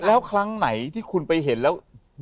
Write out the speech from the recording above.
แล้วครั้งไหนที่คุณไปเห็นแล้ว